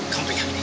kau pegang ini